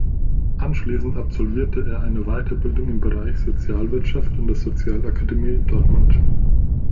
Anschließend absolvierte er eine Weiterbildung im Bereich Sozialwirtschaft an der Sozialakademie Dortmund.